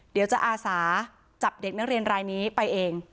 เดี๋ยวจะอาสาจับเด็กนักเรียนรายนี้ไปเอง